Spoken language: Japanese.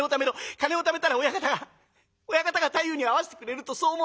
金をためたら親方が親方が太夫に会わせてくれる』とそう申しました。